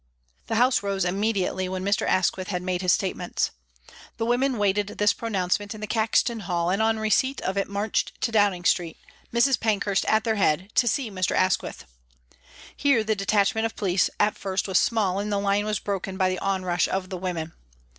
The House rose immediately when Mr. Asquith had made bis statements. The women waited this pronouncement in the Caxton Hall, and on receipt of it marched to Downing Street, Mrs. Pankhurst at their head, to see Mr. Asquith. Here the detach ment of police at first was small and the line was broken by the onrush of the women.